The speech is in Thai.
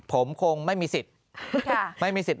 ผมคงไม่มีสิทธิ์